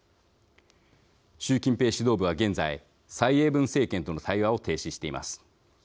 習近平指導部は、現在蔡英文政権との対話を停止しています。